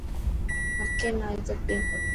هر ڪي نا عزت ڏيڻ کپي.